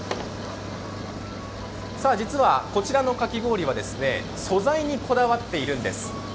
実はこちらのかき氷は素材にこだわっているんです。